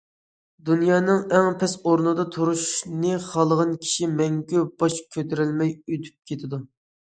دۇنيانىڭ ئەڭ پەس ئورنىدا تۇرۇشنى خالىغان كىشى مەڭگۈ باش كۆتۈرەلمەي ئۆتۈپ كېتىدۇ.